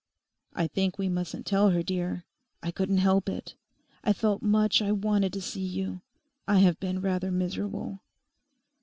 'I think we mustn't tell her, dear. I couldn't help it; I felt much I wanted to see you. I have been rather miserable.